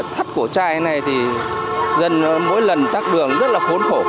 thắt cổ trai này thì dân mỗi lần tắt đường rất là khốn khổ